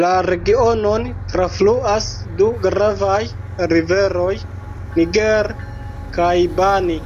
La regionon trafluas du gravaj riveroj: Niger kaj Bani.